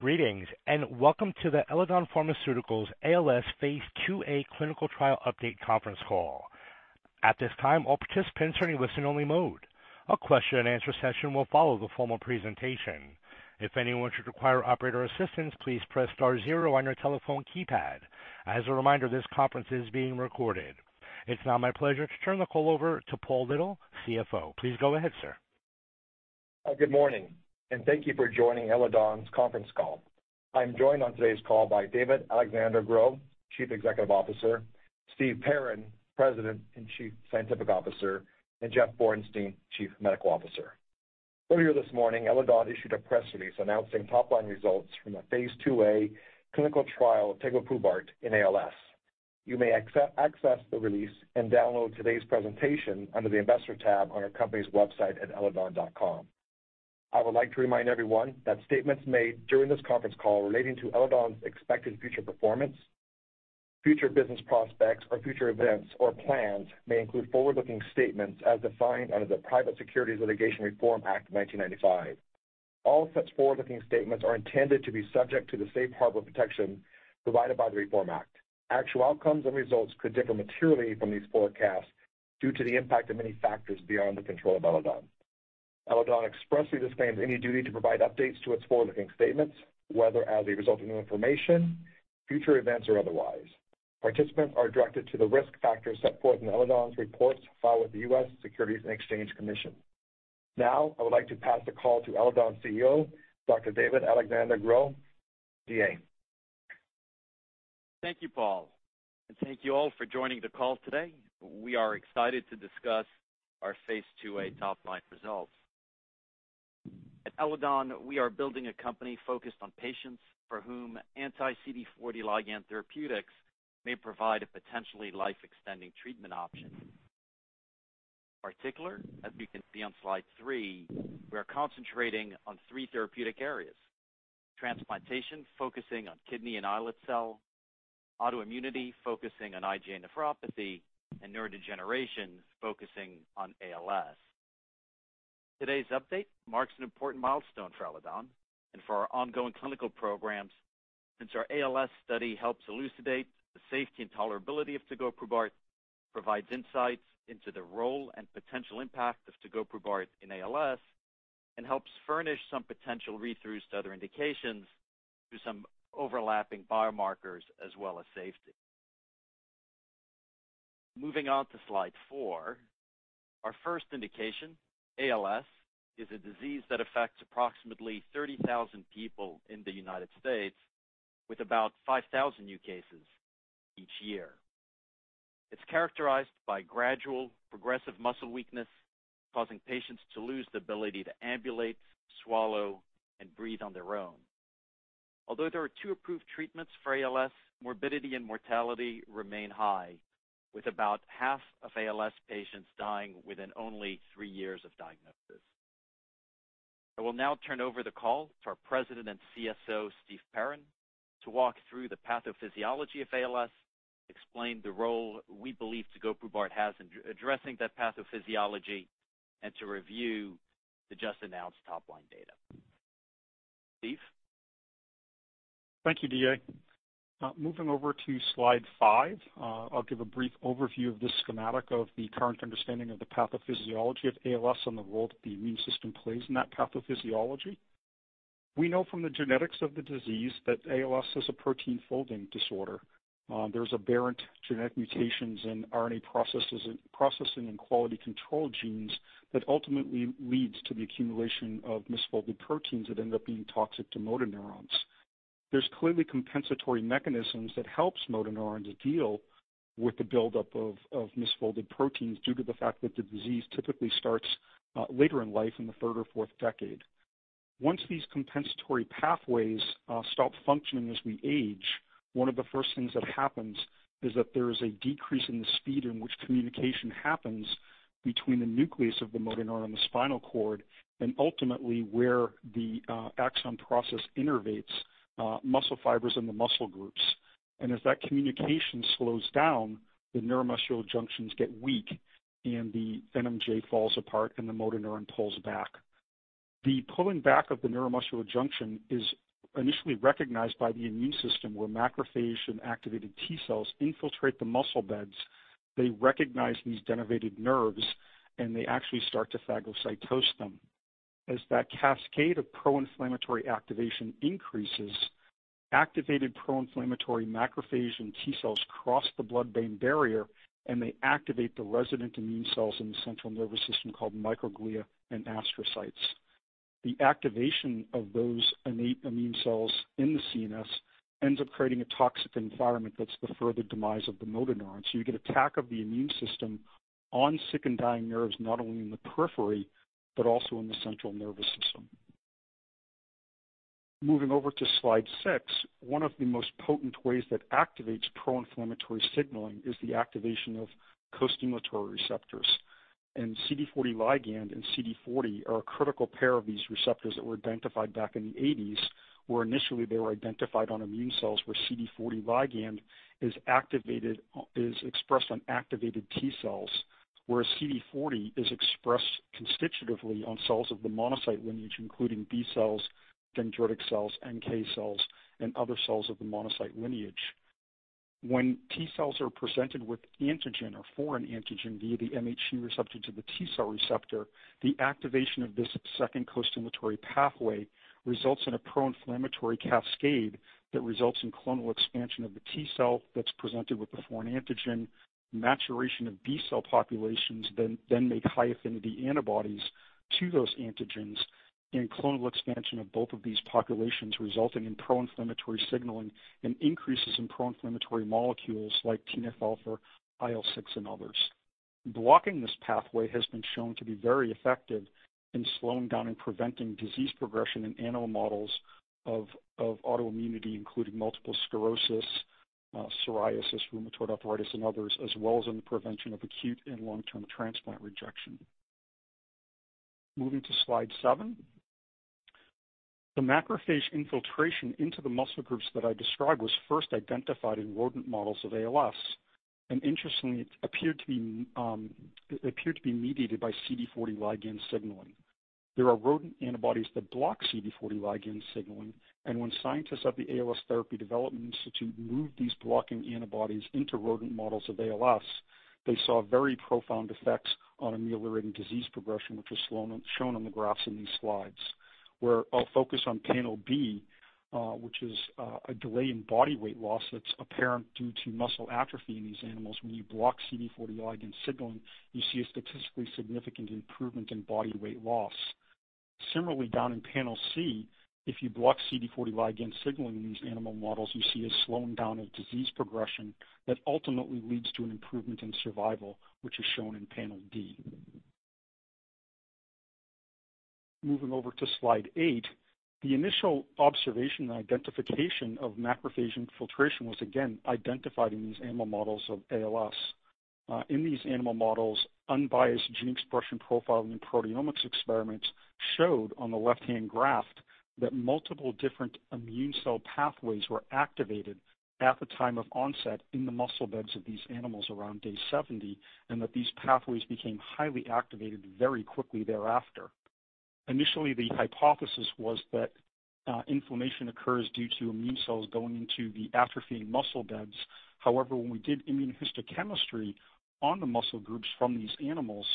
Greetings, and welcome to the Eledon Pharmaceuticals ALS phase IIa clinical trial update conference call. At this time, all participants are in listen-only mode. A question and answer session will follow the formal presentation. If anyone should require operator assistance, please press star zero on your telephone keypad. As a reminder, this conference is being recorded. It's now my pleasure to turn the call over to Paul Little, CFO. Please go ahead, sir. Good morning, and thank you for joining Eledon's conference call. I'm joined on today's call by David-Alexandre Gros, Chief Executive Officer, Steve Perrin, President and Chief Scientific Officer, and Jeff Bornstein, Chief Medical Officer. Earlier this morning, Eledon issued a press release announcing top-line results from a phase IIa clinical trial of tegoprubart in ALS. You may access the release and download today's presentation under the investor tab on our company's website at eledon.com. I would like to remind everyone that statements made during this conference call relating to Eledon's expected future performance, future business prospects, or future events or plans may include forward-looking statements as defined under the Private Securities Litigation Reform Act of 1995. All such forward-looking statements are intended to be subject to the safe harbor protection provided by the Reform Act. Actual outcomes and results could differ materially from these forecasts due to the impact of many factors beyond the control of Eledon. Eledon expressly disclaims any duty to provide updates to its forward-looking statements, whether as a result of new information, future events, or otherwise. Participants are directed to the risk factors set forth in Eledon's reports filed with the US Securities and Exchange Commission. Now, I would like to pass the call to Eledon's CEO, Dr. David-Alexandre Gros, DA. Thank you, Paul, and thank you all for joining the call today. We are excited to discuss our phase IIa top-line results. At Eledon, we are building a company focused on patients for whom anti-CD40 ligand therapeutics may provide a potentially life-extending treatment option. In particular, as we can see on slide three, we are concentrating on three therapeutic areas. Transplantation, focusing on kidney and islet cell, autoimmunity, focusing on IgA nephropathy, and neurodegeneration, focusing on ALS. Today's update marks an important milestone for Eledon and for our ongoing clinical programs, since our ALS study helps elucidate the safety and tolerability of tegoprubart, provides insights into the role and potential impact of tegoprubart in ALS, and helps furnish some potential read-throughs to other indications through some overlapping biomarkers as well as safety. Moving on to slide four. Our first indication, ALS, is a disease that affects approximately 30,000 people in the United States with about 5,000 new cases each year. It's characterized by gradual progressive muscle weakness, causing patients to lose the ability to ambulate, swallow, and breathe on their own. Although there are two approved treatments for ALS, morbidity and mortality remain high, with about half of ALS patients dying within only three years of diagnosis. I will now turn over the call to our president and CSO, Steve Perrin, to walk through the pathophysiology of ALS, explain the role we believe tegoprubart has in addressing that pathophysiology, and to review the just-announced top-line data. Steve? Thank you, DA. Moving over to slide five, I'll give a brief overview of this schematic of the current understanding of the pathophysiology of ALS and the role that the immune system plays in that pathophysiology. We know from the genetics of the disease that ALS is a protein folding disorder. There's aberrant genetic mutations in RNA processing and quality control genes that ultimately leads to the accumulation of misfolded proteins that end up being toxic to motor neurons. There's clearly compensatory mechanisms that helps motor neurons deal with the buildup of misfolded proteins due to the fact that the disease typically starts later in life in the third or fourth decade. Once these compensatory pathways stop functioning as we age, one of the first things that happens is that there is a decrease in the speed in which communication happens between the nucleus of the motor neuron and the spinal cord, and ultimately where the axon process innervates muscle fibers and the muscle groups. As that communication slows down, the neuromuscular junctions get weak, and the NMJ falls apart, and the motor neuron pulls back. The pulling back of the neuromuscular junction is initially recognized by the immune system, where macrophage and activated T cells infiltrate the muscle beds. They recognize these denervated nerves, and they actually start to phagocytose them. As that cascade of pro-inflammatory activation increases, activated pro-inflammatory macrophage and T cells cross the blood-brain barrier, and they activate the resident immune cells in the central nervous system called microglia and astrocytes. The activation of those innate immune cells in the CNS ends up creating a toxic environment that's the further demise of the motor neuron. You get attack of the immune system on sick and dying nerves, not only in the periphery but also in the central nervous system. Moving over to slide six. One of the most potent ways that activates pro-inflammatory signaling is the activation of costimulatory receptors. CD40 ligand and CD40 are a critical pair of these receptors that were identified back in the 1980s, where initially they were identified on immune cells, where CD40 ligand is expressed on activated T cells. Whereas CD40 is expressed constitutively on cells of the monocyte lineage, including B cells, dendritic cells, NK cells, and other cells of the monocyte lineage. When T cells are presented with antigen or foreign antigen via the MHC receptor to the T cell receptor, the activation of this second costimulatory pathway results in a pro-inflammatory cascade that results in clonal expansion of the T cell that's presented with the foreign antigen. Maturation of B cell populations then make high affinity antibodies to those antigens and clonal expansion of both of these populations, resulting in pro-inflammatory signaling and increases in pro-inflammatory molecules like TNF-α, IL-6, and others. Blocking this pathway has been shown to be very effective in slowing down and preventing disease progression in animal models of autoimmunity, including multiple sclerosis, psoriasis, rheumatoid arthritis, and others, as well as in the prevention of acute and long-term transplant rejection. Moving to slide seven. The macrophage infiltration into the muscle groups that I described was first identified in rodent models of ALS, and interestingly, it appeared to be mediated by CD40 ligand signaling. There are rodent antibodies that block CD40 ligand signaling, and when scientists at the ALS Therapy Development Institute moved these blocking antibodies into rodent models of ALS, they saw very profound effects on ameliorating disease progression, which was shown on the graphs in these slides. Where I'll focus on panel B, which is a delay in body weight loss that's apparent due to muscle atrophy in these animals. When you block CD40 ligand signaling, you see a statistically significant improvement in body weight loss. Similarly, down in panel C, if you block CD40 ligand signaling in these animal models, you see a slowing down of disease progression that ultimately leads to an improvement in survival, which is shown in panel D. Moving over to slide eight. The initial observation and identification of macrophage infiltration was again identified in these animal models of ALS. In these animal models, unbiased gene expression profiling and proteomics experiments showed on the left-hand graph that multiple different immune cell pathways were activated at the time of onset in the muscle beds of these animals around day 70, and that these pathways became highly activated very quickly thereafter. Initially, the hypothesis was that, inflammation occurs due to immune cells going into the atrophying muscle beds. However, when we did immunohistochemistry on the muscle groups from these animals,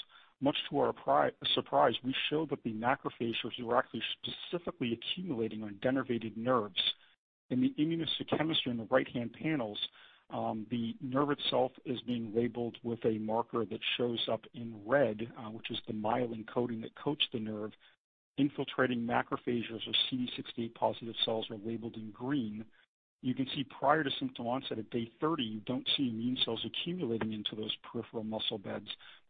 much to our surprise, we showed that the macrophages were actually specifically accumulating on denervated nerves. In the immunohistochemistry in the right-hand panels, the nerve itself is being labeled with a marker that shows up in red, which is the myelin coating that coats the nerve. Infiltrating macrophages or CD68+ cells are labeled in green. You can see prior to symptom onset at day 30, you don't see immune cells accumulating into those peripheral muscle beds.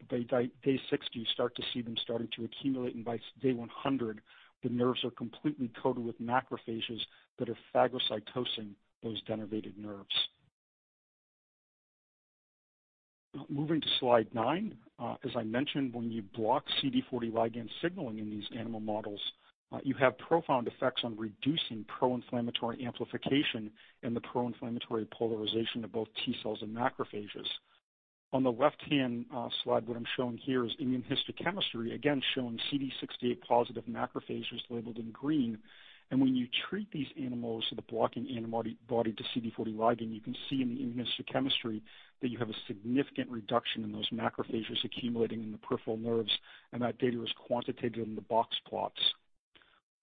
By day 60, you start to see them starting to accumulate, and by day 100, the nerves are completely coated with macrophages that are phagocytosing those denervated nerves. Moving to slide nine. As I mentioned, when you block CD40 ligand signaling in these animal models, you have profound effects on reducing pro-inflammatory amplification and the pro-inflammatory polarization of both T cells and macrophages. On the left-hand slide, what I'm showing here is immunohistochemistry, again, showing CD68+ macrophages labeled in green. When you treat these animals with a blocking antibody to CD40 ligand, you can see in the immunohistochemistry that you have a significant reduction in those macrophages accumulating in the peripheral nerves, and that data is quantitated in the box plots.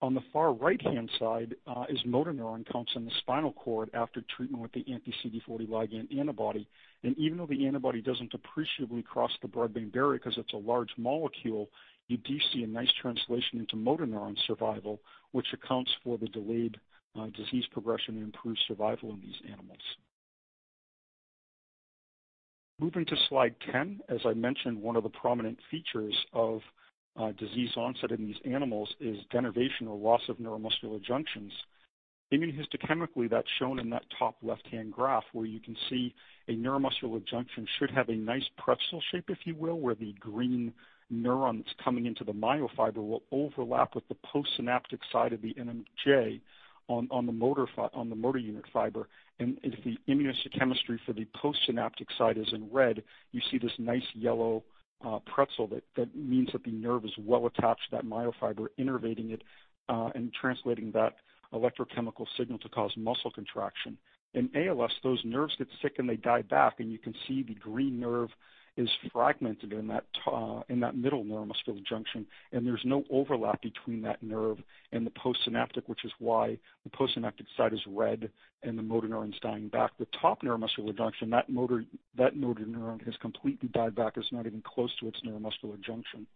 On the far right-hand side is motor neuron counts in the spinal cord after treatment with the anti-CD40 ligand antibody. Even though the antibody doesn't appreciably cross the blood-brain barrier 'cause it's a large molecule, you do see a nice translation into motor neuron survival, which accounts for the delayed disease progression and improved survival in these animals. Moving to slide 10. As I mentioned, one of the prominent features of disease onset in these animals is denervation or loss of neuromuscular junctions. Immunohistochemically, that's shown in that top left-hand graph, where you can see a neuromuscular junction should have a nice pretzel shape, if you will, where the green neuron that's coming into the myofiber will overlap with the postsynaptic side of the NMJ on the motor unit fiber. If the immunohistochemistry for the postsynaptic side is in red, you see this nice yellow pretzel that means that the nerve is well attached to that myofiber, innervating it, and translating that electrochemical signal to cause muscle contraction. In ALS, those nerves get sick, and they die back, and you can see the green nerve is fragmented in that middle neuromuscular junction, and there's no overlap between that nerve and the postsynaptic, which is why the postsynaptic side is red and the motor neuron's dying back. The top neuromuscular junction, that motor neuron has completely died back. It's not even close to its neuromuscular junction.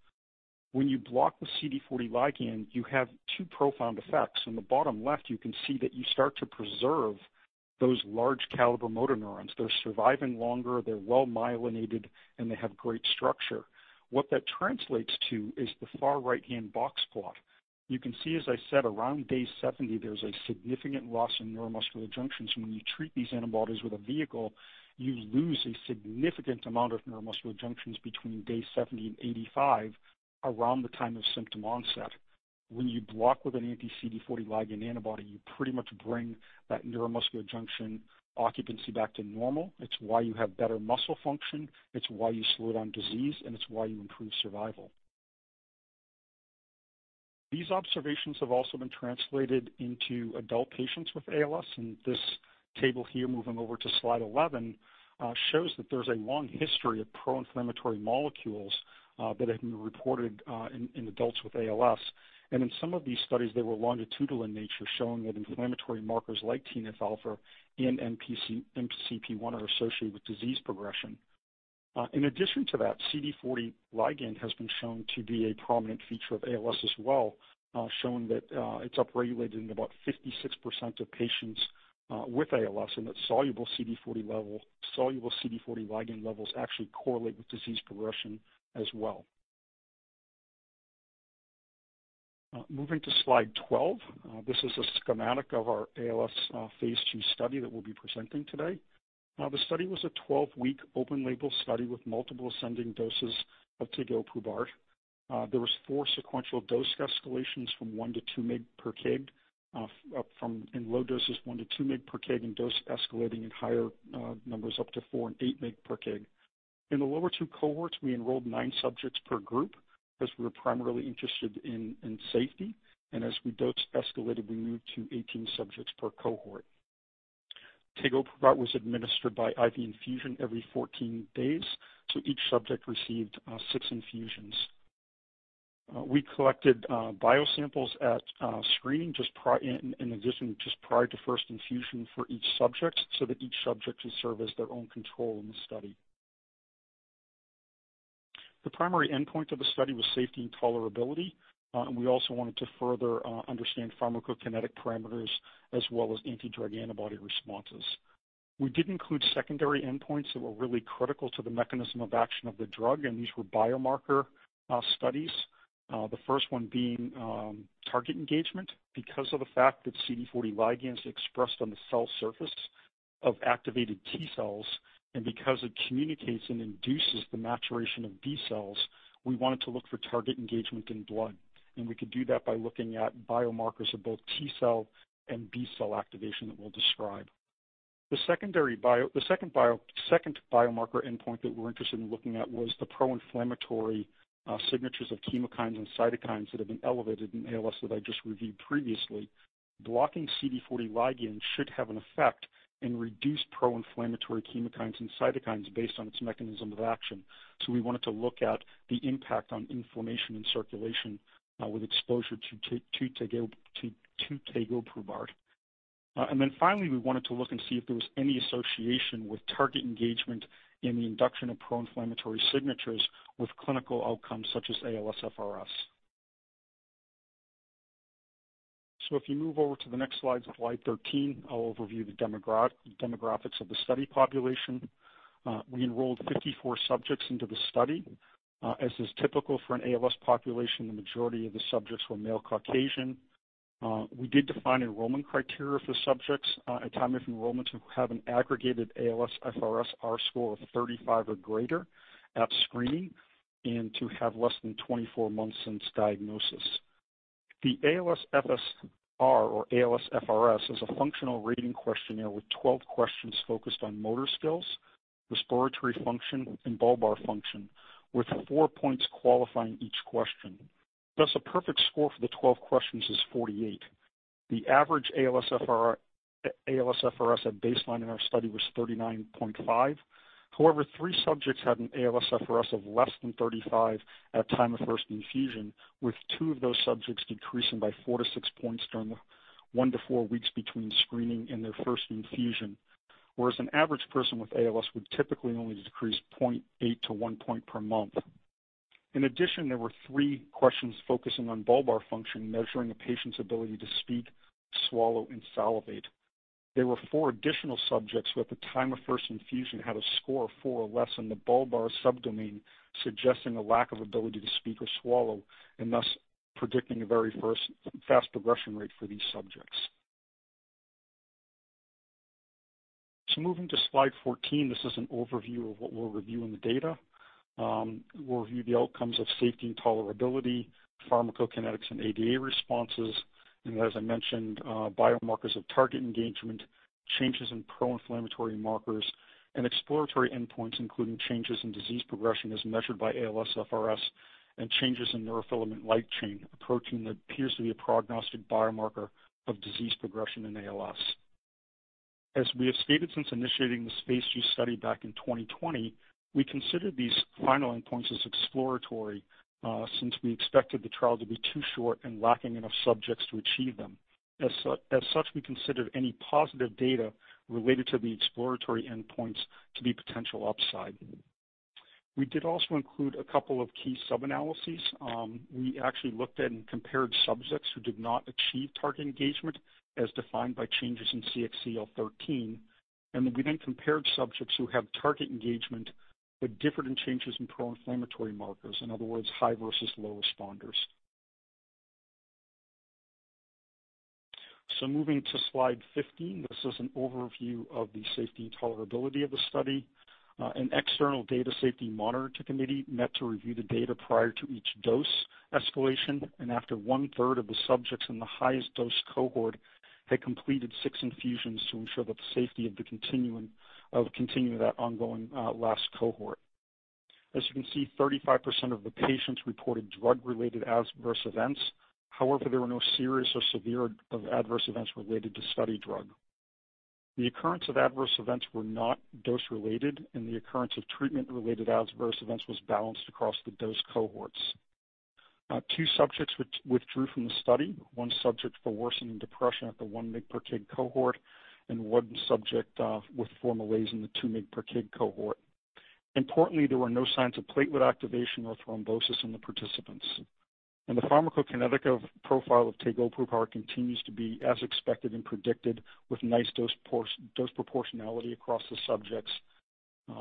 When you block the CD40 ligand, you have two profound effects. In the bottom left, you can see that you start to preserve those large caliber motor neurons. They're surviving longer, they're well myelinated, and they have great structure. What that translates to is the far right-hand box plot. You can see, as I said, around day 70, there's a significant loss in neuromuscular junctions. When you treat these antibodies with a vehicle, you lose a significant amount of neuromuscular junctions between day 70 and 85, around the time of symptom onset. When you block with an anti-CD40 ligand antibody, you pretty much bring that neuromuscular junction occupancy back to normal. It's why you have better muscle function, it's why you slow down disease, and it's why you improve survival. These observations have also been translated into adult patients with ALS, and this table here, moving over to slide 11, shows that there's a long history of pro-inflammatory molecules that have been reported in adults with ALS. In some of these studies, they were longitudinal in nature, showing that inflammatory markers like TNF-α and MCP-1 are associated with disease progression. In addition to that, CD40 ligand has been shown to be a prominent feature of ALS as well, showing that it's upregulated in about 56% of patients with ALS, and that soluble CD40 ligand levels actually correlate with disease progression as well. Moving to slide 12. This is a schematic of our ALS phase II study that we'll be presenting today. The study was a 12-week open label study with multiple ascending doses of tegoprubart. There was four sequential dose escalations from 1 mg/kg to 2 mg/kg, up from in low doses, 1 mg/kg to 2 mg/kg and dose escalating in higher numbers up to 4 mg/kg and 8 mg/kg. In the lower two cohorts, we enrolled nine subjects per group as we were primarily interested in safety. As we dose escalated, we moved to 18 subjects per cohort. Tegoprubart was administered by IV infusion every 14 days, so each subject received six infusions. We collected bio samples at screening in addition just prior to first infusion for each subject so that each subject could serve as their own control in the study. The primary endpoint of the study was safety and tolerability, and we also wanted to further understand pharmacokinetic parameters as well as anti-drug antibody responses. We did include secondary endpoints that were really critical to the mechanism of action of the drug, and these were biomarker studies. The first one being target engagement because of the fact that CD40 ligand is expressed on the cell surface of activated T cells, and because it communicates and induces the maturation of B cells, we wanted to look for target engagement in blood, and we could do that by looking at biomarkers of both T Cell and B Cell activation that we'll describe. The second biomarker endpoint that we're interested in looking at was the pro-inflammatory signatures of chemokines and cytokines that have been elevated in ALS that I just reviewed previously. Blocking CD40 ligand should have an effect in reduced pro-inflammatory chemokines and cytokines based on its mechanism of action. We wanted to look at the impact on inflammation and circulation with exposure to tegoprubart. Then finally, we wanted to look and see if there was any association with target engagement in the induction of pro-inflammatory signatures with clinical outcomes such as ALSFRS. If you move over to the next slide 13, I'll overview the demographics of the study population. We enrolled 54 subjects into the study. As is typical for an ALS population, the majority of the subjects were male Caucasian. We did define enrollment criteria for subjects at time of enrollment to have an aggregated ALSFRS-R score of 35 or greater at screening and to have less than 24 months since diagnosis. The ALSFRS is a functional rating questionnaire with 12 questions focused on motor skills, respiratory function, and bulbar function, with 4 points qualifying each question. Thus, a perfect score for the 12 questions is 48. The average ALSFRS at baseline in our study was 39.5. However, three subjects had an ALSFRS of less than 35 at time of first infusion, with two of those subjects decreasing by 4-6 points during the one to four weeks between screening and their first infusion. Whereas an average person with ALS would typically only decrease 0.8-1 point per month. In addition, there were three questions focusing on bulbar function, measuring a patient's ability to speak, swallow, and salivate. There were four additional subjects who at the time of first infusion had a score of four or less in the bulbar subdomain, suggesting a lack of ability to speak or swallow, and thus predicting a very fast progression rate for these subjects. Moving to slide 14, this is an overview of what we'll review in the data. We'll review the outcomes of safety and tolerability, pharmacokinetics and ADA responses, and as I mentioned, biomarkers of target engagement, changes in pro-inflammatory markers, and exploratory endpoints, including changes in disease progression as measured by ALSFRS and changes in neurofilament light chain, a protein that appears to be a prognostic biomarker of disease progression in ALS. As we have stated since initiating this phase II study back in 2020, we consider these final endpoints as exploratory, since we expected the trial to be too short and lacking enough subjects to achieve them. As such, we considered any positive data related to the exploratory endpoints to be potential upside. We did also include a couple of key sub-analyses. We actually looked at and compared subjects who did not achieve target engagement as defined by changes in CXCL13. We then compared subjects who have target engagement but different in changes in pro-inflammatory markers. In other words, high versus low responders. Moving to slide 15, this is an overview of the safety and tolerability of the study. An external data safety monitoring committee met to review the data prior to each dose escalation and after one-third of the subjects in the highest dose cohort had completed six infusions to ensure that the safety of the continuum of continuing that ongoing, last cohort. As you can see, 35% of the patients reported drug-related adverse events. However, there were no serious or severe adverse events related to study drug. The occurrence of adverse events were not dose-related, and the occurrence of treatment-related adverse events was balanced across the dose cohorts. Two subjects which withdrew from the study. One subject for worsening depression at the 1 mg/kg cohort, and one subject with faall-related injury in the 2 mg/kg cohort. Importantly, there were no signs of platelet activation or thrombosis in the participants. The pharmacokinetic profile of tegoprubart continues to be as expected and predicted with nice dose-for-dose proportionality across the subjects.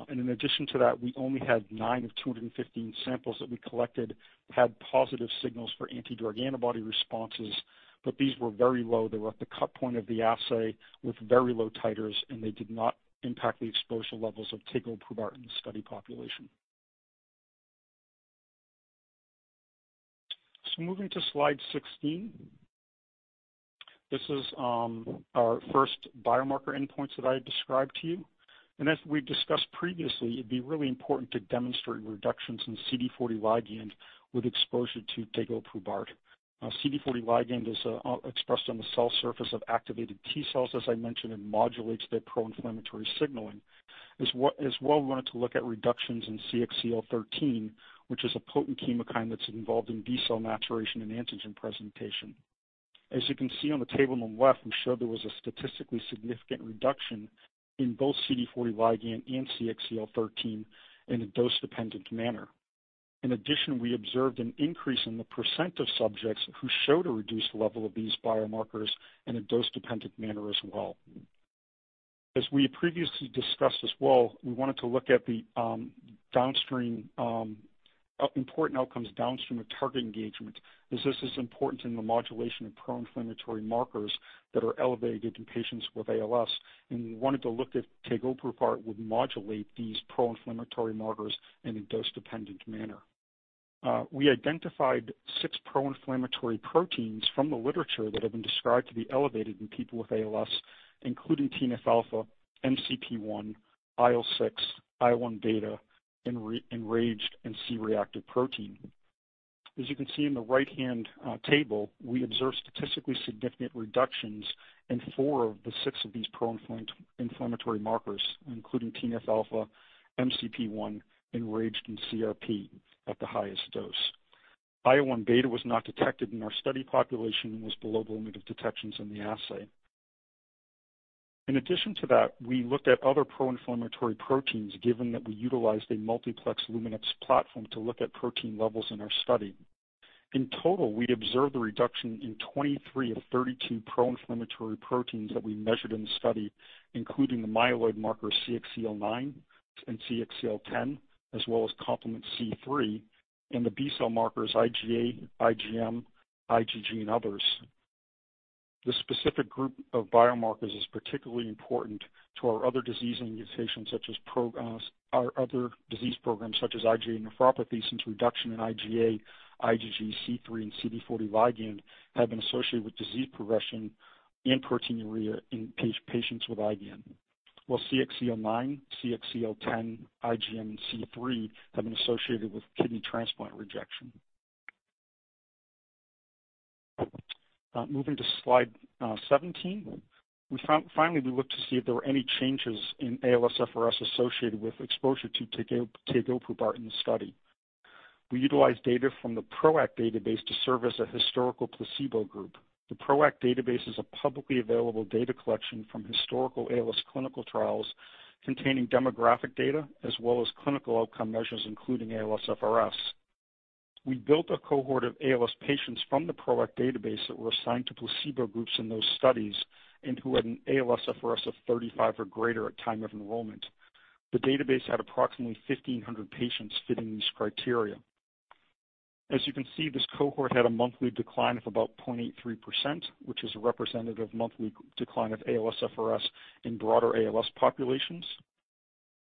In addition to that, we only had nine of 215 samples that we collected had positive signals for anti-drug antibody responses, but these were very low. They were at the cut point of the assay with very low titers, and they did not impact the exposure levels of tegoprubart in the study population. Moving to slide 16. This is our first biomarker endpoints that I had described to you. As we discussed previously, it'd be really important to demonstrate reductions in CD40 ligand with exposure to tegoprubart. CD40 ligand is expressed on the cell surface of activated T cells, as I mentioned, and modulates their pro-inflammatory signaling. As well, we wanted to look at reductions in CXCL13, which is a potent chemokine that's involved in B cell maturation and antigen presentation. As you can see on the table on the left, we showed there was a statistically significant reduction in both CD40 ligand and CXCL13 in a dose-dependent manner. In addition, we observed an increase in the percent of subjects who showed a reduced level of these biomarkers in a dose-dependent manner as well. As we previously discussed as well, we wanted to look at the downstream important outcomes downstream of target engagement, as this is important in the modulation of pro-inflammatory markers that are elevated in patients with ALS, and we wanted to look if tegoprubart would modulate these pro-inflammatory markers in a dose-dependent manner. We identified six pro-inflammatory proteins from the literature that have been described to be elevated in people with ALS, including TNF-α, MCP-1, IL-6, IL-1β, RAGE, and C-reactive protein. As you can see in the right-hand table, we observed statistically significant reductions in four of the six of these pro-inflammatory markers, including TNF-α, MCP-1, RAGE, and CRP at the highest dose. IL-1β was not detected in our study population and was below the limit of detection in the assay. In addition to that, we looked at other pro-inflammatory proteins, given that we utilized a multiplex Luminex platform to look at protein levels in our study. In total, we observed the reduction in 23 of 32 pro-inflammatory proteins that we measured in the study, including the myeloid markers CXCL9 and CXCL10, as well as complement C3 and the B Cell markers IgA, IgM, IgG, and others. This specific group of biomarkers is particularly important to our other disease indications such as our other disease programs such as IgA nephropathy, since reduction in IgA, IgG, C3, and CD40 ligand have been associated with disease progression and proteinuria in patients with IgA. While CXCL9, CXCL10, IgM, and C3 have been associated with kidney transplant rejection. Moving to slide 17. Finally, we looked to see if there were any changes in ALSFRS associated with exposure to tegoprubart in the study. We utilized data from the PRO-ACT database to serve as a historical placebo group. The PRO-ACT database is a publicly available data collection from historical ALS clinical trials containing demographic data as well as clinical outcome measures, including ALSFRS. We built a cohort of ALS patients from the PRO-ACT database that were assigned to placebo groups in those studies and who had an ALSFRS of 35 or greater at time of enrollment. The database had approximately 1,500 patients fitting these criteria. As you can see, this cohort had a monthly decline of about 0.83%, which is representative monthly decline of ALSFRS in broader ALS populations.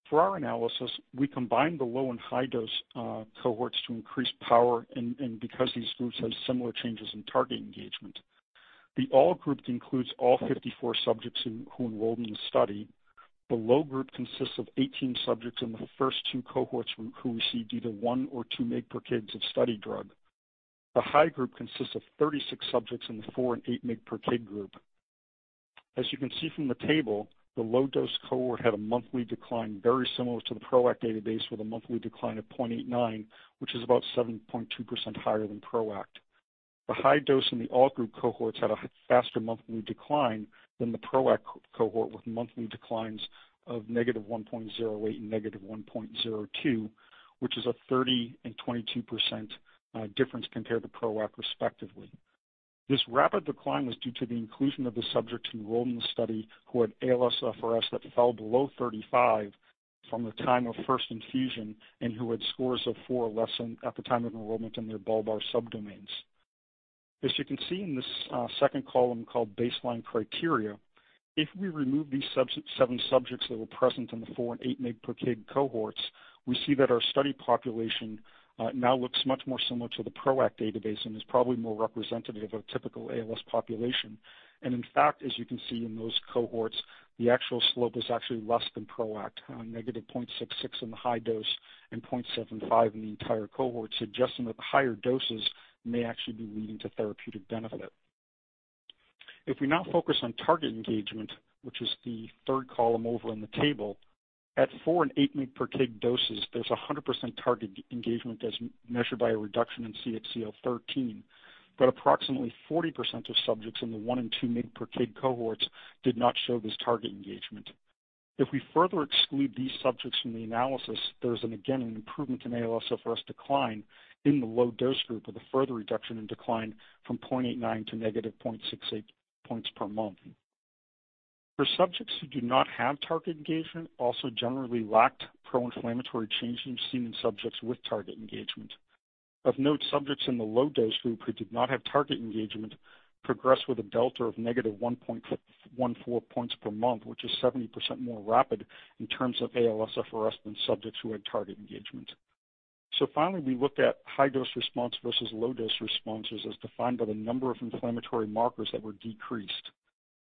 For our analysis, we combined the low and high dose cohorts to increase power and because these groups had similar changes in target engagement. The All group includes all 54 subjects who enrolled in the study. The Low group consists of 18 subjects in the first two cohorts who received either 1 mg/kg or 2 mg/kg of study drug. The High group consists of 36 subjects in the 4 mg/kg and 8 mg/kg group. As you can see from the table, the Low dose cohort had a monthly decline very similar to the PRO-ACT database with a monthly decline of 0.89, which is about 7.2% higher than PRO-ACT. The High dose and the All group cohorts had a faster monthly decline than the PRO-ACT cohort, with monthly declines of -1.08 and -1.02, which is a 30% and 22% difference compared to PRO-ACT respectively. This rapid decline was due to the inclusion of the subjects enrolled in the study who had ALSFRS that fell below 35 from the time of first infusion and who had scores of four or less at the time of enrollment in their bulbar subdomains. As you can see in this second column called Baseline criteria, if we remove these seven subjects that were present in the 4 mg/kg and 8 mg/kg cohorts, we see that our study population now looks much more similar to the PRO-ACT database and is probably more representative of a typical ALS population. In fact, as you can see in those cohorts, the actual slope is actually less than PRO-ACT, -0.66 in the high dose and 0.75 in the entire cohort, suggesting that the higher doses may actually be leading to therapeutic benefit. If we now focus on target engagement, which is the third column over on the table, at 4 mg/kg and 8 mg/kg doses, there's 100% target engagement as measured by a reduction in CXCL13. Approximately 40% of subjects in the 1 mg/kg and 2 mg/kg cohorts did not show this target engagement. If we further exclude these subjects from the analysis, there's again an improvement in ALSFRS decline in the low dose group with a further reduction in decline from 0.89 to -0.68 points per month. Subjects who do not have target engagement also generally lacked pro-inflammatory changes seen in subjects with target engagement. Of note, subjects in the low dose group who did not have target engagement progressed with a delta of negative 1.14 points per month, which is 70% more rapid in terms of ALSFRS than subjects who had target engagement. Finally, we looked at high dose response versus low dose responses as defined by the number of inflammatory markers that were decreased.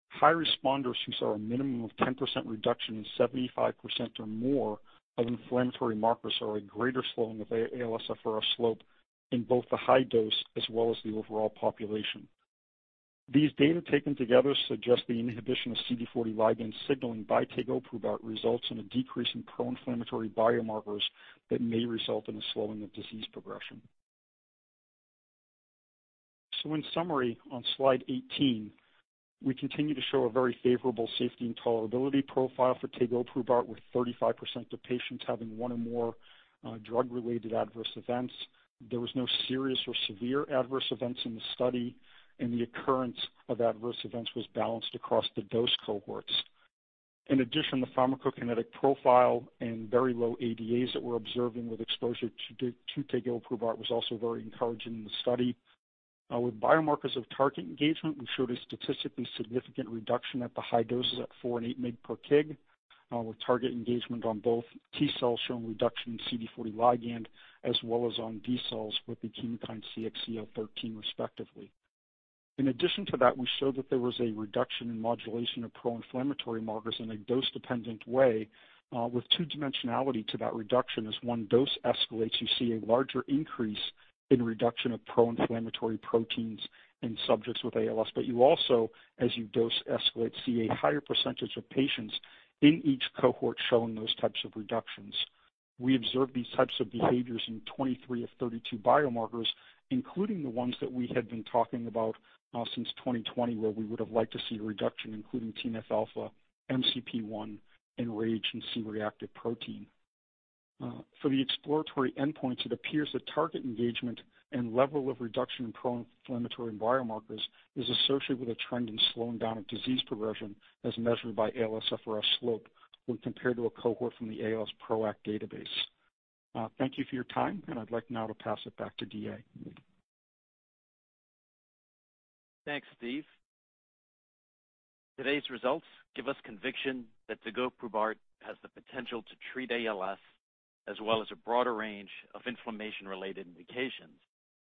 High responders who saw a minimum of 10% reduction in 75% or more of inflammatory markers or a greater slowing of Δ-ALSFRS slope in both the high dose as well as the overall population. These data taken together suggest the inhibition of CD40 ligand signaling by tegoprubart results in a decrease in pro-inflammatory biomarkers that may result in a slowing of disease progression. In summary, on slide 18, we continue to show a very favorable safety and tolerability profile for tegoprubart with 35% of patients having one or more drug-related adverse events. There was no serious or severe adverse events in the study, and the occurrence of adverse events was balanced across the dose cohorts. In addition, the pharmacokinetic profile and very low ADAs that we're observing with exposure to Tegoprubart was also very encouraging in the study. With biomarkers of target engagement, we showed a statistically significant reduction at the high doses at 4 mg/kg and 8 mg/kg with target engagement on both T Cells showing reduction in CD40 ligand as well as on B Cells with the chemokine CXCL13 respectively. In addition to that, we showed that there was a reduction in modulation of pro-inflammatory markers in a dose-dependent way, with two dimensionality to that reduction. As one dose escalates, you see a larger increase in reduction of pro-inflammatory proteins in subjects with ALS, but you also, as you dose escalate, see a higher percentage of patients in each cohort showing those types of reductions. We observed these types of behaviors in 23 of 32 biomarkers, including the ones that we had been talking about, since 2020, where we would have liked to see a reduction, including TNF-α, MCP-1, and RAGE and C-reactive protein. For the exploratory endpoints, it appears that target engagement and level of reduction in pro-inflammatory biomarkers is associated with a trend in slowing down of disease progression as measured by ALSFRS slope when compared to a cohort from the ALS PRO-ACT database. Thank you for your time, and I'd like now to pass it back to DA. Thanks, Steve. Today's results give us conviction that tegoprubart has the potential to treat ALS as well as a broader range of inflammation-related indications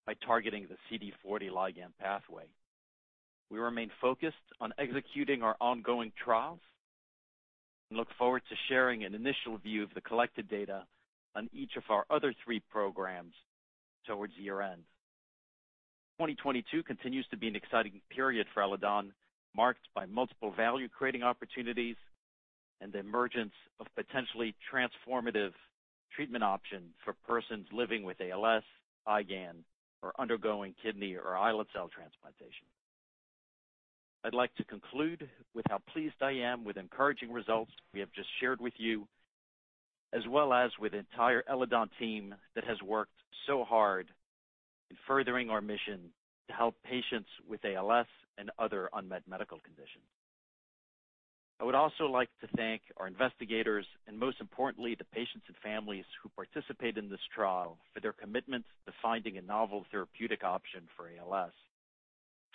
by targeting the CD40 ligand pathway. We remain focused on executing our ongoing trials and look forward to sharing an initial view of the collected data on each of our other three programs towards year-end. 2022 continues to be an exciting period for Eledon, marked by multiple value-creating opportunities and the emergence of potentially transformative treatment options for persons living with ALS, IgAN, or undergoing kidney or islet cell transplantation. I'd like to conclude with how pleased I am with encouraging results we have just shared with you, as well as with the entire Eledon team that has worked so hard in furthering our mission to help patients with ALS and other unmet medical conditions. I would also like to thank our investigators and most importantly, the patients and families who participated in this trial for their commitment to finding a novel therapeutic option for ALS.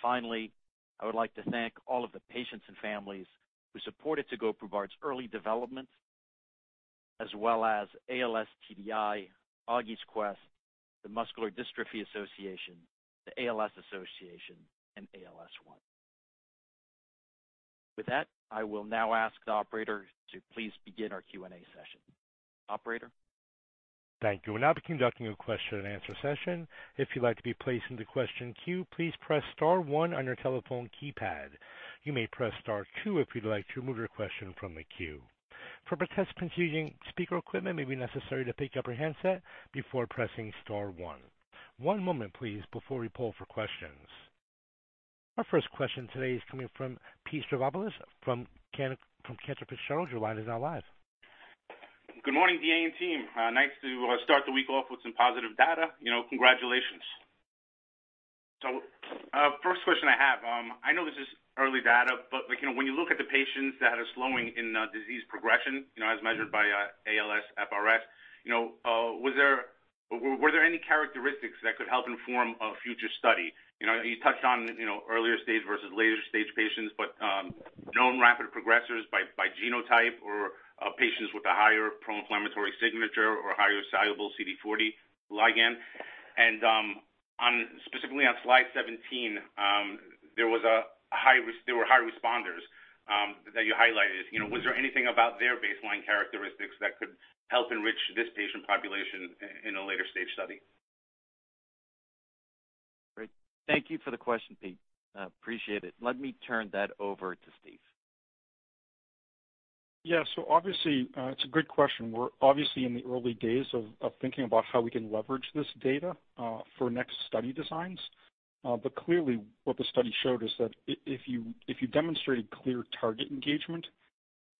Finally, I would like to thank all of the patients and families who supported tegoprubart's early development, as well as ALS TDI, Augie's Quest, the Muscular Dystrophy Association, the ALS Association, and ALS One. With that, I will now ask the operator to please begin our Q&A session. Operator? Thank you. We'll now be conducting a question and answer session. If you'd like to be placed into question queue, please press star one on your telephone keypad. You may press star two if you'd like to remove your question from the queue. For participants using speaker equipment, it may be necessary to pick up your handset before pressing star one. One moment please before we poll for questions. Our first question today is coming from Pete Stavropoulos from Cantor Fitzgerald. Your line is now live. Good morning, DA and team. Nice to start the week off with some positive data. You know, congratulations. First question I have, I know this is early data, but like, you know, when you look at the patients that are slowing in disease progression, you know, as measured by ALSFRS, you know, were there any characteristics that could help inform a future study? You know, you touched on earlier stage versus later stage patients, but known rapid progressors by genotype or patients with a higher pro-inflammatory signature or higher soluble CD40 ligand. Specifically on slide 17, there were high responders that you highlighted. You know, was there anything about their baseline characteristics that could help enrich this patient population in a later stage study? Great. Thank you for the question, Pete. I appreciate it. Let me turn that over to Steve. Yeah. Obviously, it's a great question. We're obviously in the early days of thinking about how we can leverage this data for next study designs. Clearly what the study showed is that if you demonstrated clear target engagement,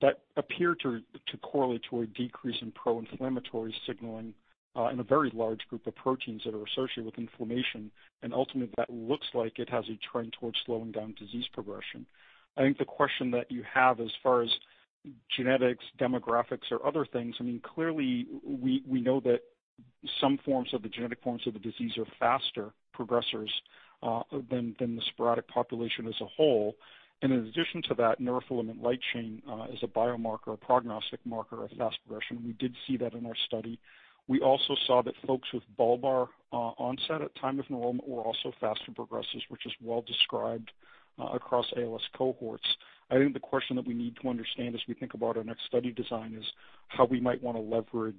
that appeared to correlate to a decrease in pro-inflammatory signaling in a very large group of proteins that are associated with inflammation, and ultimately, that looks like it has a trend towards slowing down disease progression. I think the question that you have as far as genetics, demographics, or other things, I mean, clearly we know that some forms of the genetic forms of the disease are faster progressors than the sporadic population as a whole. In addition to that, neurofilament light chain is a biomarker, a prognostic marker of fast progression. We did see that in our study. We also saw that folks with bulbar onset at time of enrollment were also faster progressors, which is well described across ALS cohorts. I think the question that we need to understand as we think about our next study design is how we might wanna leverage,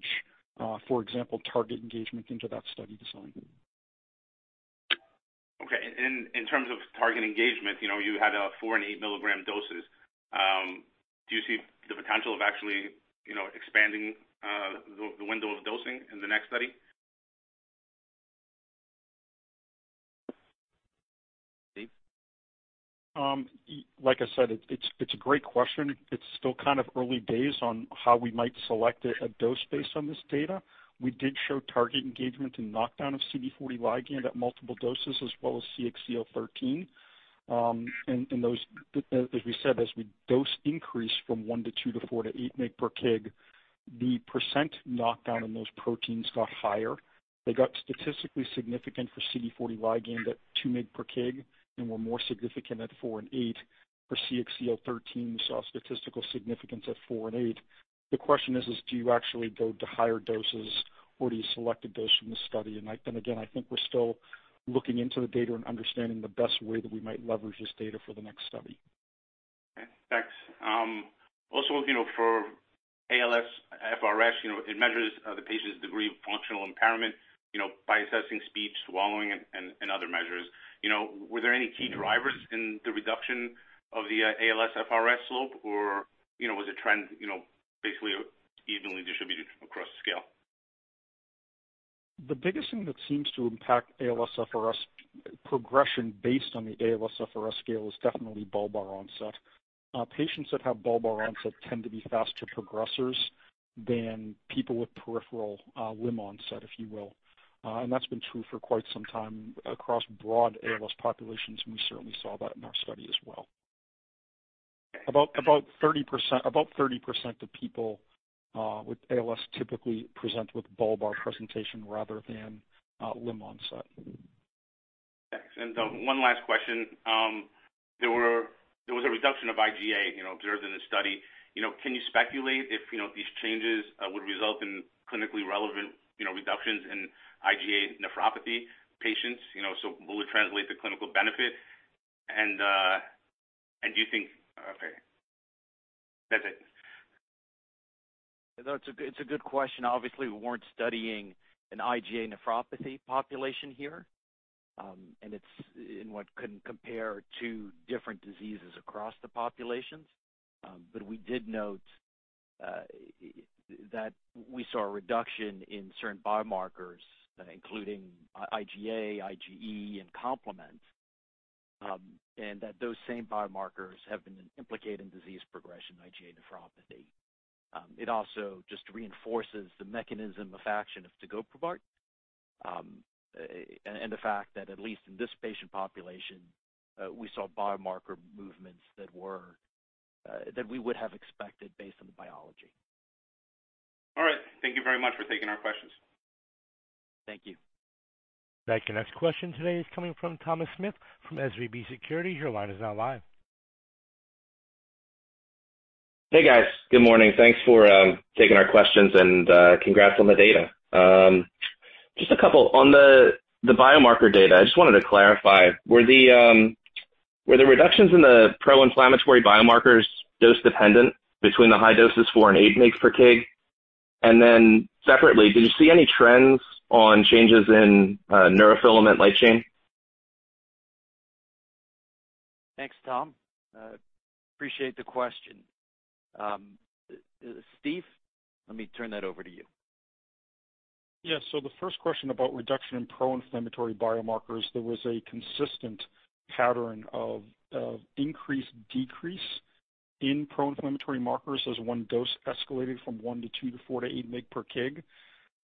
for example, target engagement into that study design. Okay. In terms of target engagement, you know, you had 4 mg and 8 mg doses. Do you see the potential of actually, you know, expanding the window of dosing in the next study? Steve? Like I said, it's a great question. It's still kind of early days on how we might select a dose based on this data. We did show target engagement and knockdown of CD40 ligand at multiple doses as well as CXCL13. Those, as we said, as we dose increase from 1 mg to 2 mg/kg to 4 mg/kg to 8 mg/kg, the percent knockdown in those proteins got higher. They got statistically significant for CD40 ligand at 2 mg/kg and were more significant at 4 mg/kg and 8 mg/kg. For CXCL13, we saw statistical significance at 4 mg/kg and 8 mg/kg. The question is, do you actually go to higher doses or do you select a dose from the study? Then again, I think we're still looking into the data and understanding the best way that we might leverage this data for the next study. Okay. Thanks. Also, you know, for ALSFRS, you know, it measures the patient's degree of functional impairment, you know, by assessing speech, swallowing and other measures. You know, were there any key drivers in the reduction of the ALSFRS slope or, you know, was the trend, you know, basically evenly distributed across the scale? The biggest thing that seems to impact ALSFRS progression based on the ALSFRS scale is definitely bulbar onset. Patients that have bulbar onset tend to be faster progressors than people with peripheral, limb onset, if you will. That's been true for quite some time across broad ALS populations, and we certainly saw that in our study as well. About 30% of people with ALS typically present with bulbar presentation rather than limb onset. Thanks. One last question. There was a reduction of IgA, you know, observed in the study. You know, can you speculate if, you know, these changes would result in clinically relevant, you know, reductions in IgA nephropathy patients? You know, will it translate to clinical benefit? Okay. That's it. No, it's a good question. Obviously, we weren't studying an IgA nephropathy population here, and one couldn't compare two different diseases across the populations. We did note that we saw a reduction in certain biomarkers, including IgA, IgE and complement, and that those same biomarkers have been implicated in disease progression in IgA nephropathy. It also just reinforces the mechanism of action of tegoprubart, and the fact that at least in this patient population, we saw biomarker movements that we would have expected based on the biology. All right. Thank you very much for taking our questions. Thank you. Thank you. Next question today is coming from Thomas Smith from SVB Securities. Your line is now live. Hey, guys. Good morning. Thanks for taking our questions and congrats on the data. Just a couple. On the biomarker data, I just wanted to clarify, were the reductions in the pro-inflammatory biomarkers dose-dependent between the high doses 4 mg/kg and 8 mg/kg? And then separately, did you see any trends on changes in neurofilament light chain? Thanks, Thomas. Appreciate the question. Steve, let me turn that over to you. The first question about reduction in pro-inflammatory biomarkers, there was a consistent pattern of decrease in pro-inflammatory markers as one dose escalated from 1 mg/kg to 2 mg/kg to 4 mg/kg to 8 mg/kg.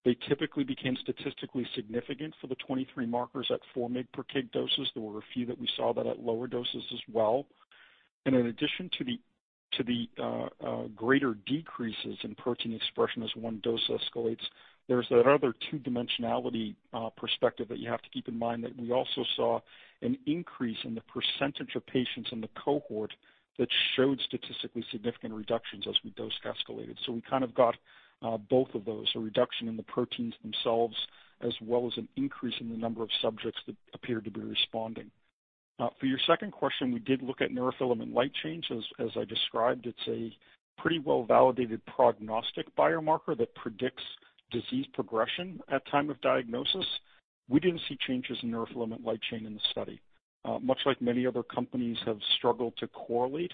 They typically became statistically significant for the 23 markers at 4 mg/kg doses. There were a few that we saw at lower doses as well. In addition to the greater decreases in protein expression as one dose escalates, there's that other two-dimensionality perspective that you have to keep in mind that we also saw an increase in the percentage of patients in the cohort that showed statistically significant reductions as we dose escalated. We kind of got both of those, a reduction in the proteins themselves, as well as an increase in the number of subjects that appeared to be responding. For your second question, we did look at neurofilament light chains. As I described, it's a pretty well-validated prognostic biomarker that predicts disease progression at time of diagnosis. We didn't see changes in neurofilament light chain in the study. Much like many other companies have struggled to correlate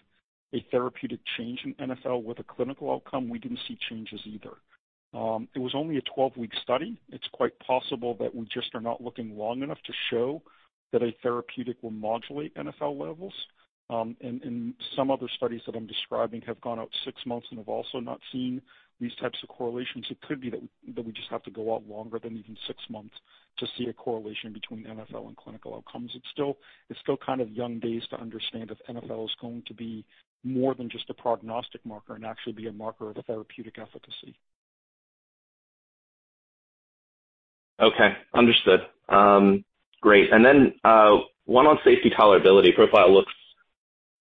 a therapeutic change in NfL with a clinical outcome, we didn't see changes either. It was only a 12-week study. It's quite possible that we just are not looking long enough to show that a therapeutic will modulate NfL levels. Some other studies that I'm describing have gone out 6 months and have also not seen these types of correlations. It could be that we just have to go out longer than even 6 months to see a correlation between NfL and clinical outcomes. It's still kind of young days to understand if NfL is going to be more than just a prognostic marker and actually be a marker of therapeutic efficacy. Okay. Understood. Great. One on safety and tolerability profile looks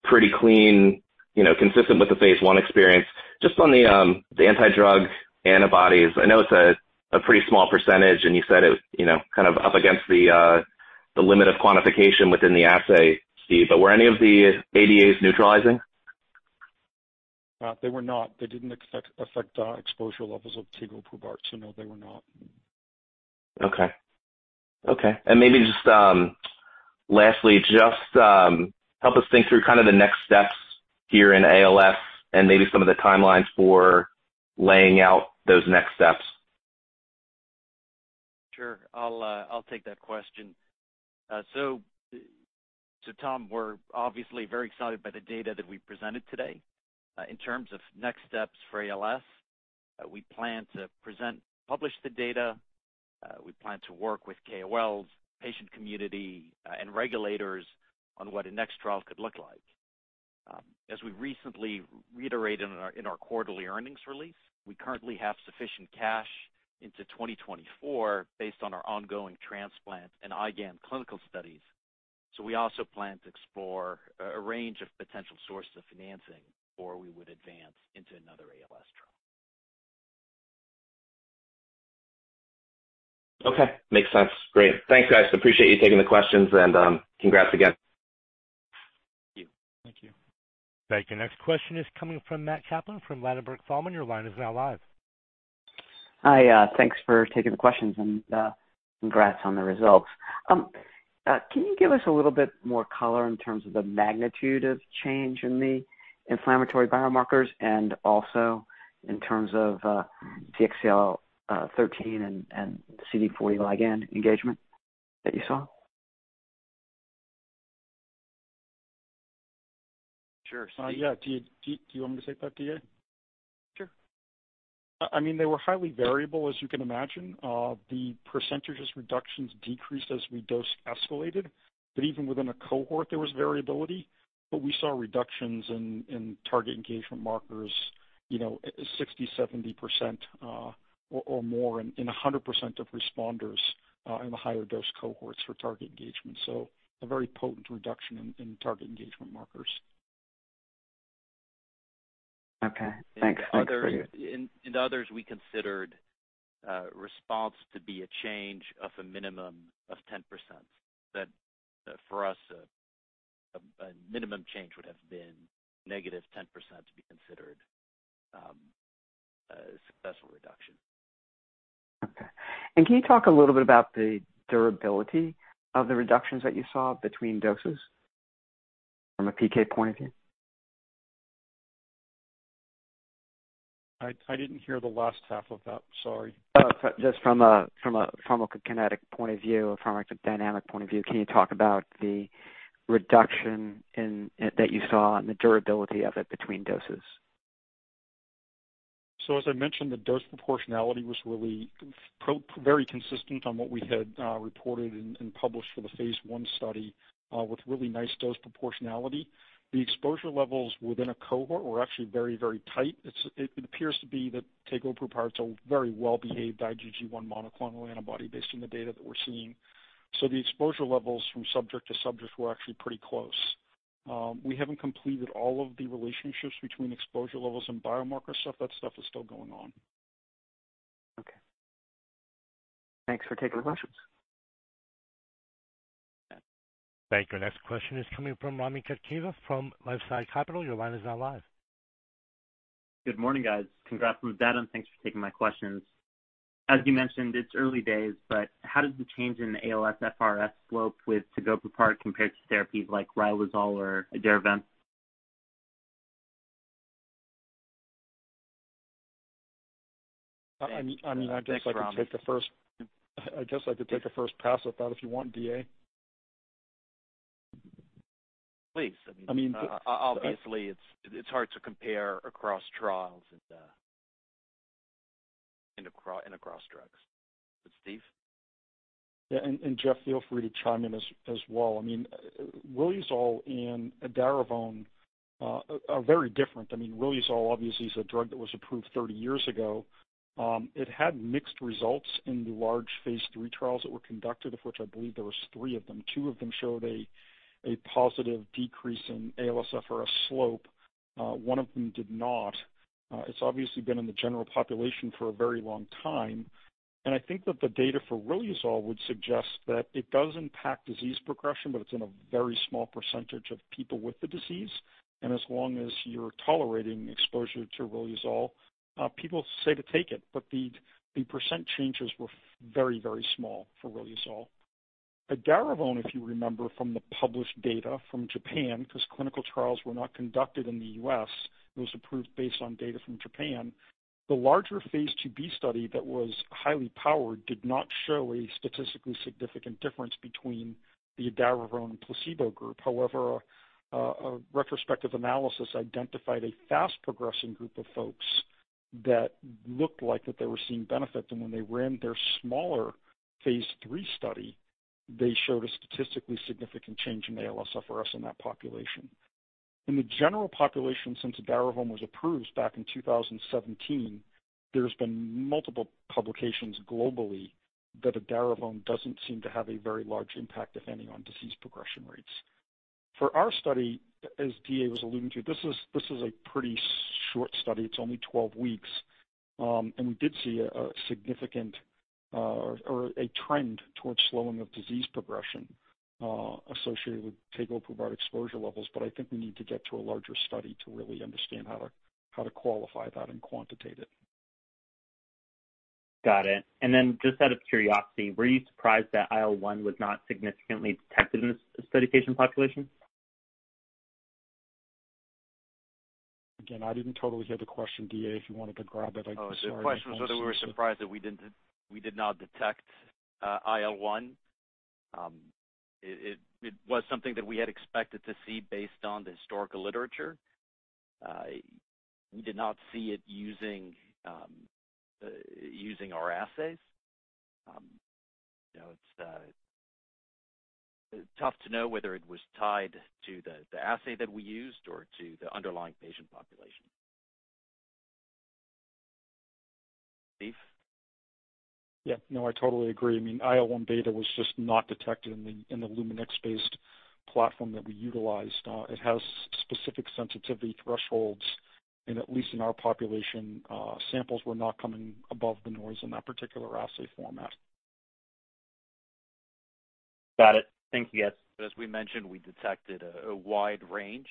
pretty clean, you know, consistent with the phase I experience. Just on the Anti-Drug Antibodies. I know it's a pretty small percentage, and you said it, you know, kind of up against the limit of quantification within the assay, Steve, but were any of the ADAs neutralizing? They were not. They didn't affect exposure levels of tegoprubart. No, they were not. Okay. Maybe just lastly, just help us think through kind of the next steps here in ALS and maybe some of the timelines for laying out those next steps? Sure. I'll take that question. Tom, we're obviously very excited by the data that we presented today. In terms of next steps for ALS, we plan to present, publish the data. We plan to work with KOLs, patient community, and regulators on what the next trial could look like. As we recently reiterated in our quarterly earnings release, we currently have sufficient cash into 2024 based on our ongoing transplant and IgA clinical studies. We also plan to explore a range of potential sources of financing before we would advance into another ALS trial. Okay. Makes sense. Great. Thanks, guys. Appreciate you taking the questions, and congrats again. Thank you. Thank you. Thank you. Next question is coming from Matt Kaplan from Ladenburg Thalmann. Your line is now live. Hi. Thanks for taking the questions and, congrats on the results. Can you give us a little bit more color in terms of the magnitude of change in the inflammatory biomarkers and also in terms of CXCL13 and CD40 ligand engagement that you saw? Sure. Yeah. Do you want me to take that, DA? Sure. I mean, they were highly variable, as you can imagine. The percentage reductions decreased as we dose escalated, but even within a cohort, there was variability, but we saw reductions in target engagement markers, you know, 60%, 70% or more in 100% of responders in the higher dose cohorts for target engagement. A very potent reduction in target engagement markers. Okay. Thanks. In others, we considered response to be a change of a minimum of 10%. That, for us, a minimum change would have been -10% to be considered a successful reduction. Okay. Can you talk a little bit about the durability of the reductions that you saw between doses from a PK point of view? I didn't hear the last half of that, sorry. Oh, just from a pharmacokinetic point of view or pharmacodynamic point of view, can you talk about the reduction that you saw and the durability of it between doses? As I mentioned, the dose proportionality was really very consistent on what we had reported and published for the phase I study with really nice dose proportionality. The exposure levels within a cohort were actually very tight. It appears to be that tegoprubart's a very well-behaved IgG1 monoclonal antibody based on the data that we're seeing. The exposure levels from subject to subject were actually pretty close. We haven't completed all of the relationships between exposure levels and biomarkers stuff. That stuff is still going on. Okay. Thanks for taking the questions. Thank you. Next question is coming from Rami Katkhuda from LifeSci Capital. Your line is now live. Good morning, guys. Congrats on the data, and thanks for taking my questions. As you mentioned, it's early days, but how does the change in ALSFRS Slope with tegoprubart compare to therapies like riluzole or edaravone? I mean, I guess I could take a first pass at that if you want, DA. Please. I mean. I mean. Obviously, it's hard to compare across trials and across drugs. Steve? Yeah, Jeff, feel free to chime in as well. I mean, riluzole and edaravone are very different. I mean, riluzole obviously is a drug that was approved 30 years ago. It had mixed results in the large phase III trials that were conducted, of which I believe there was three of them. Two of them showed a positive decrease in ALSFRS slope. One of them did not. It's obviously been in the general population for a very long time. I think that the data for riluzole would suggest that it does impact disease progression, but it's in a very small percentage of people with the disease. As long as you're tolerating exposure to riluzole, people say to take it, but the percent changes were very, very small for riluzole. Edaravone, if you remember from the published data from Japan, because clinical trials were not conducted in the US, it was approved based on data from Japan. The larger phase IIb study that was highly powered did not show a statistically significant difference between the edaravone and placebo group. However, a retrospective analysis identified a fast-progressing group of folks that looked like that they were seeing benefit. When they ran their smaller phase III study, they showed a statistically significant change in ALSFRS in that population. In the general population, since edaravone was approved back in 2017, there's been multiple publications globally that edaravone doesn't seem to have a very large impact, if any, on disease progression rates. For our study, as DA was alluding to, this is a pretty short study. It's only 12 weeks. We did see a significant or a trend towards slowing of disease progression associated with tegoprubart exposure levels. I think we need to get to a larger study to really understand how to qualify that and quantitate it. Got it. Just out of curiosity, were you surprised that IL-1β was not significantly detected in this study patient population? Again, I didn't totally hear the question. DA, if you wanted to grab it, I'm sorry. Oh, the question was whether we were surprised that we did not detect IL-1. It was something that we had expected to see based on the historical literature. We did not see it using our assays. You know, it's tough to know whether it was tied to the assay that we used or to the underlying patient population. Steve? Yeah. No, I totally agree. I mean, IL-1β was just not detected in the Luminex-based platform that we utilized. It has specific sensitivity thresholds, and at least in our population, samples were not coming above the noise in that particular assay format. Got it. Thank you, guys. As we mentioned, we detected a wide range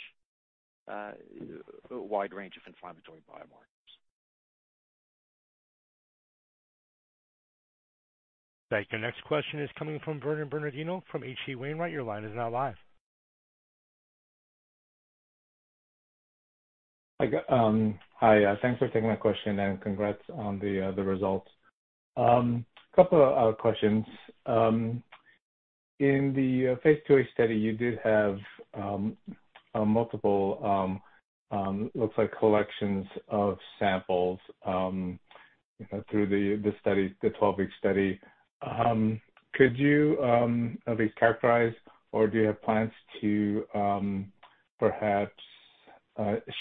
of inflammatory biomarkers. Thank you. Next question is coming from Vernon Bernardino from H.C. Wainwright. Your line is now live. Hi, thanks for taking my question, and congrats on the results. A couple of questions. In the phase IIa study, you did have multiple collections of samples, you know, through the study, the 12-week study. Could you at least characterize or do you have plans to perhaps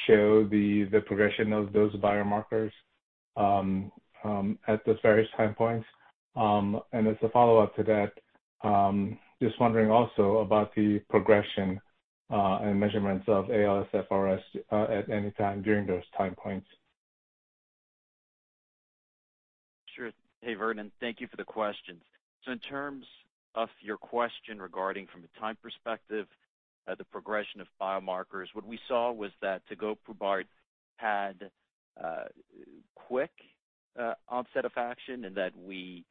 show the progression of those biomarkers at those various time points? And as a follow-up to that, just wondering also about the progression and measurements of ALSFRS at any time during those time points. Sure. Hey, Vernon, thank you for the questions. In terms of your question regarding from a time perspective, the progression of biomarkers, what we saw was that tegoprubart had quick onset of action and that we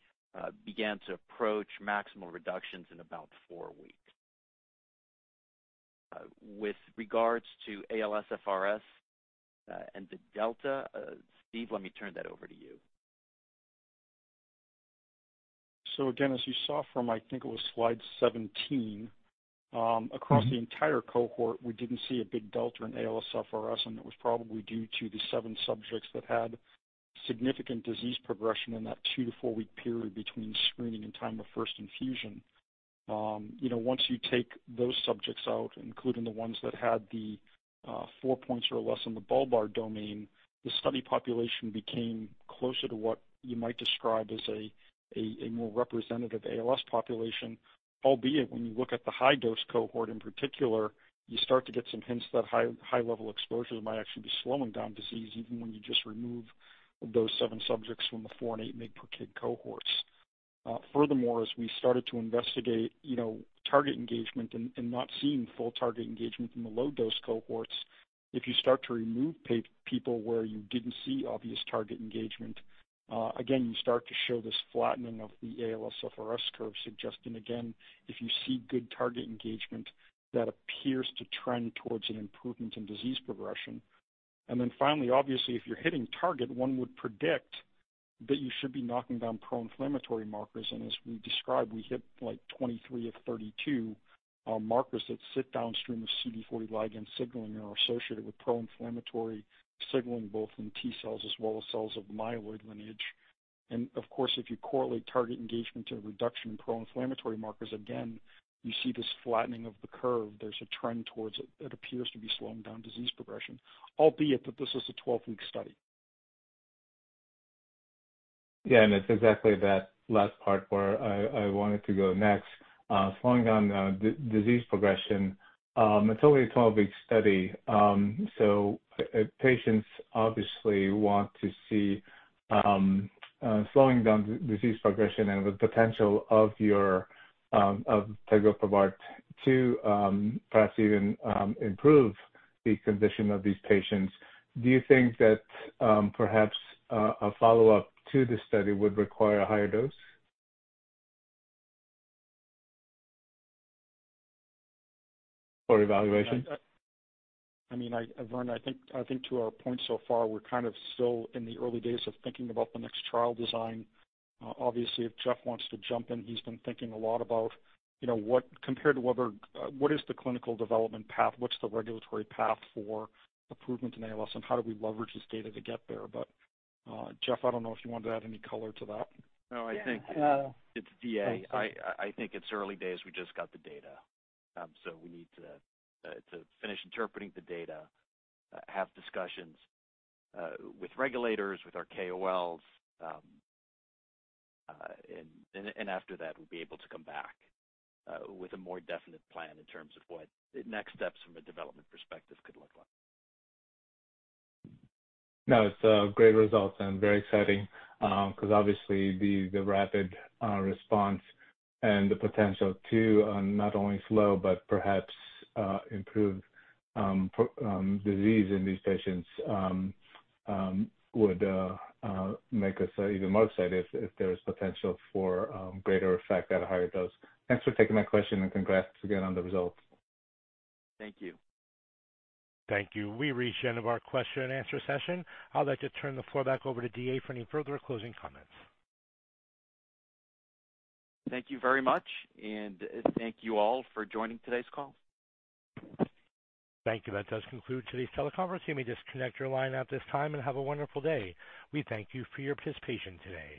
began to approach maximal reductions in about four weeks. With regards to ALSFRS and the delta, Steve, let me turn that over to you. As you saw from, I think it was slide 17, across the entire cohort, we didn't see a big delta in ALSFRS, and it was probably due to the seven subjects that had significant disease progression in that two to four week period between screening and time of first infusion. You know, once you take those subjects out, including the ones that had the four points or less in the Bulbar domain, the study population became closer to what you might describe as a more representative ALS population. Albeit when you look at the high dose cohort in particular, you start to get some hints that high level exposures might actually be slowing down disease even when you just remove those seven subjects from the 4 mg/kg and 8 mg/kg cohorts. Furthermore, as we started to investigate, you know, target engagement and not seeing full target engagement in the low dose cohorts, if you start to remove people where you didn't see obvious target engagement, again, you start to show this flattening of the ALSFRS curve, suggesting again, if you see good target engagement, that appears to trend towards an improvement in disease progression. Then finally, obviously, if you're hitting target, one would predict that you should be knocking down pro-inflammatory markers. As we described, we hit like 23 of 32 markers that sit downstream of CD40 ligand signaling are associated with pro-inflammatory signaling, both in T cells as well as cells of myeloid lineage. Of course, if you correlate target engagement to a reduction in pro-inflammatory markers, again, you see this flattening of the curve. There's a trend towards it that appears to be slowing down disease progression, albeit that this is a 12-week study. Yeah, it's exactly that last part where I wanted to go next. Slowing down disease progression, it's only a 12-week study, so ALS patients obviously want to see slowing down disease progression and the potential of your tegoprubart to perhaps even improve the condition of these patients. Do you think that perhaps a follow-up to this study would require a higher dose for evaluation? I mean, Vernon, I think to our point so far, we're kind of still in the early days of thinking about the next trial design. Obviously, if Jeff wants to jump in, he's been thinking a lot about, you know, compared to other, what is the clinical development path, what's the regulatory path for approval to ALS, and how do we leverage this data to get there? Jeff, I don't know if you want to add any color to that. No, I think it's DA. I think it's early days. We just got the data. We need to finish interpreting the data, have discussions with regulators, with our KOLs, and after that, we'll be able to come back with a more definite plan in terms of what the next steps from a development perspective could look like. No, it's great results and very exciting, 'cause obviously the rapid response and the potential to not only slow but perhaps improve disease in these patients would make us even more excited if there is potential for greater effect at a higher dose. Thanks for taking my question, and congrats again on the results. Thank you. Thank you. We've reached the end of our question and answer session. I'd like to turn the floor back over to DA for any further closing comments. Thank you very much, and thank you all for joining today's call. Thank you. That does conclude today's teleconference. You may disconnect your line at this time, and have a wonderful day. We thank you for your participation today.